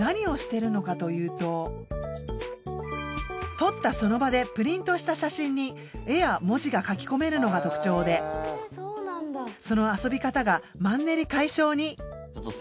撮ったその場でプリントした写真に絵や文字が描き込めるのが特徴でその遊び方がマンネリ解消に。